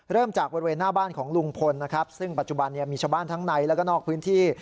เริ่มจากบริเวณหน้าบ้านของลุงพลนะครับซึ่งปัจจุบันเนี่ยมีชาวบ้านทั้งในแล้วก็นอกพื้นที่